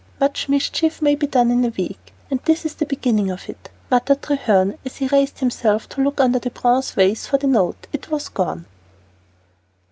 "Much mischief may be done in a week, and this is the beginning of it," muttered Treherne, as he raised himself to look under the bronze vase for the note. It was gone!